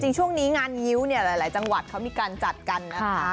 ช่วงนี้งานงิ้วเนี่ยหลายจังหวัดเขามีการจัดกันนะคะ